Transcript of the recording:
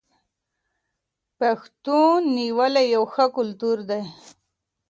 پښتونولي يو ښه کلتور دی.